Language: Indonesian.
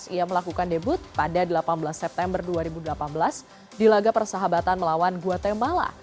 ia melakukan debut pada delapan belas september dua ribu delapan belas di laga persahabatan melawan guatemala